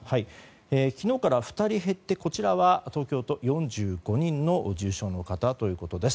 昨日から２人減ってこちらは東京都４５人の重症の方ということです。